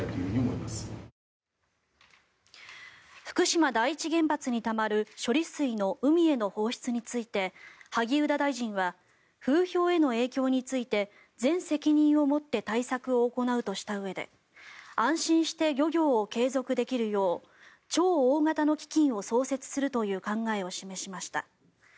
福島第一原発にたまる処理水の海への放出について萩生田大臣は風評への影響について全責任を持って対策を行うとしたうえで安心して漁業を継続できるよう超大型の基金を創設するという考えを示しました。